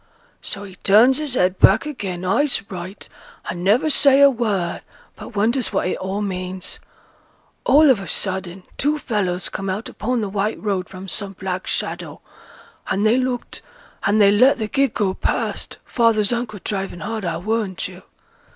So he turns his head back again, eyes right, and never say a word, but wonders what it all means. All of a sudden two fellows come out upo' th' white road from some black shadow, and they looked, and they let th' gig go past, father's uncle driving hard, I'll warrant him.